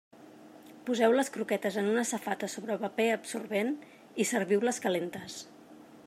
Poseu les croquetes en una safata sobre paper absorbent i serviu-les calentes.